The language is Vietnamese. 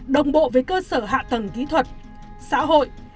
đồng bộ với cơ sở hạ tầng kỹ thuật xã hội